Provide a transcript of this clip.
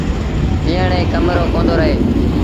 پيٚئڻ ري ڪم رو ڪوندو رهي۔